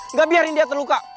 nggak biarin dia terluka